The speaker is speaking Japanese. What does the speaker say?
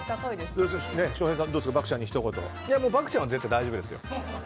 漠ちゃんは絶対大丈夫ですよ。